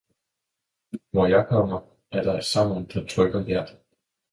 Hvor jeg kommer, er der et savn, der trykker hjertet.